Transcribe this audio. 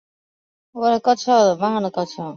有的甚至由唱红的歌手来分类。